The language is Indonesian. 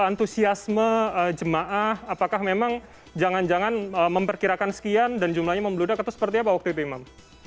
antusiasme jemaah apakah memang jangan jangan memperkirakan sekian dan jumlahnya membeludak atau seperti apa waktu itu imam